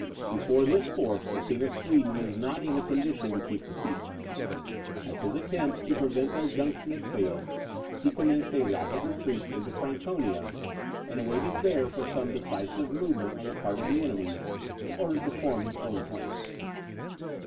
Before this force, the King of Sweden was not in a condition to keep the field. As his attempt to prevent their junction had failed, he commenced a rapid retreat into Franconia, and awaited there for some decisive movement on the part of the enemy, in order to form his own plans.